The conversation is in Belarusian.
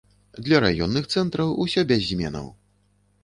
Для раённых цэнтраў усё без зменаў.